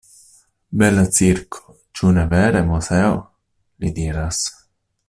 Bela cirko, ĉu ne vere, Moseo? li diras.